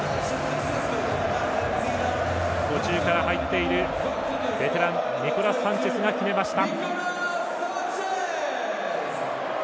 途中から入っているベテランニコラス・サンチェスが決めました。